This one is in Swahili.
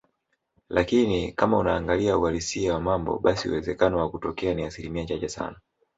lakini kama unaangalia uhalisia wa mambo basi uwezekano wa kutokea ni asilimia chache sana